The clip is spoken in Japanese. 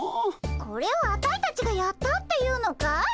これをアタイたちがやったっていうのかい？